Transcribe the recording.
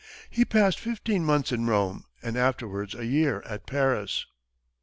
He passed fifteen months in Rome, and afterwards a year at Paris.